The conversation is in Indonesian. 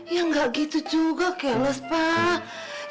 ya enggak gitu juga kelos pak